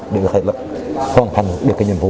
để có thể là hoàn thành được cái nhiệm vụ